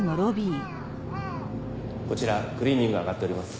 こちらクリーニング上がっております。